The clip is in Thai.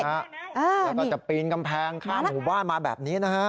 แล้วก็จะปีนกำแพงข้ามหมู่บ้านมาแบบนี้นะฮะ